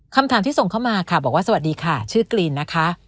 คำถามที่ส่งเข้ามาค่ะบอกว่าสวัสดีค่ะชื่อกรีนนะคะ